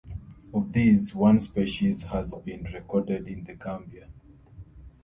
Of these, one species has been recorded in the Gambia.